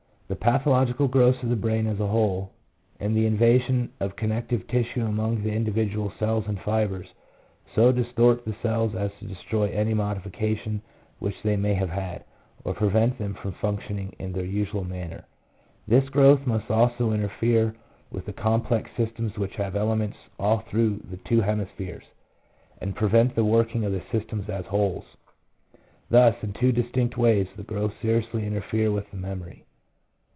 1 The pathological growths of the brain as a whole, and the invasion of connective tissue among the individual cells and fibres, so distort the cells as to destroy any modification which they may have had, or prevent them from functioning in their usual manner. This growth must also interfere with the complex systems which have elements all through the two hemispheres, and prevent the working of the systems as wholes. Thus in two distinct ways the growths seriously interfere with the memory.